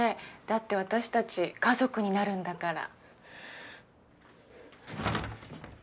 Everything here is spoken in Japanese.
だって私たち家族になるんだから。